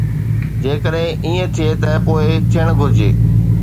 جيڪڏهن ائين ٿئي ته پوءِ ٿيڻ گهرجي.